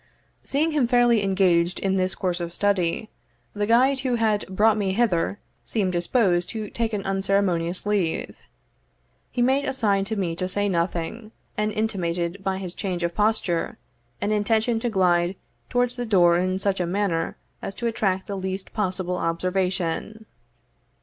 Seeing him fairly engaged in this course of study, the guide who had brought me hither seemed disposed to take an unceremonious leave. He made a sign to me to say nothing, and intimated, by his change of posture, an intention to glide towards the door in such a manner as to attract the least possible observation.